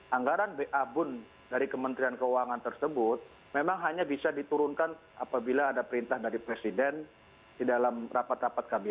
anggaran babun dari kementerian keuangan tersebut memang hanya bisa diturunkan apabila ada perintah dari presiden di dalam rapat rapat kami